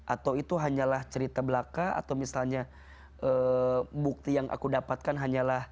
atau itu hanyalah cerita belaka atau misalnya bukti yang aku dapatkan hanyalah